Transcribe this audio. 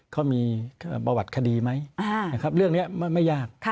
เขามีประวัติคดีไหมนะครับเรื่องนี้ไม่ยาก